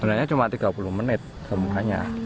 sebenarnya cuma tiga puluh menit semuanya